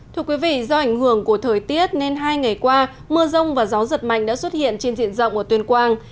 thưa quý vị do ảnh hưởng của thời tiết nên hai ngày qua mưa rông và gió giật mạnh đã xuất hiện trên diện rộng ở tuyên quang